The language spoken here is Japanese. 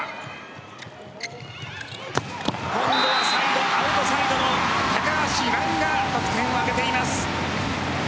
今度はアウトサイドの高橋藍が得点を挙げています。